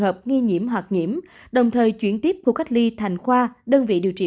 trường hợp nghi nhiễm hoặc nhiễm đồng thời chuyển tiếp khu cách ly thành khoa đơn vị điều trị